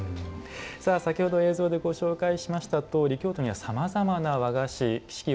先ほど映像でご紹介したとおり京都には、さまざまな和菓子四季